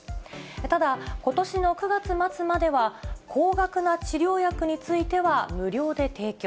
ただ、ことしの９月末までは、高額な治療薬については無料で提供。